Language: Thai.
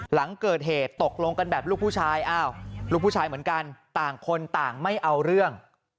หลังเกิดเหตุตกลงกันแบบลูกผู้ชายอ้าวลูกผู้ชายเหมือนกันต่างคนต่างไม่เอาเรื่อง